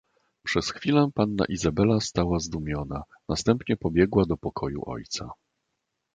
"Przez chwilę panna Izabela stała zdumiona; następnie pobiegła do pokoju ojca."